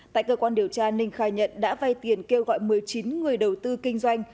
tại cơ quan điều tra ninh khai nhận đã vay tiền kêu gọi một mươi chín người đầu tư kinh doanh